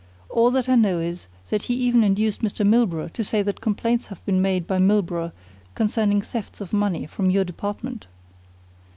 "All that I know is that he even induced Mr. Milburgh to say that complaints have been made by Milburgh concerning thefts of money from your department."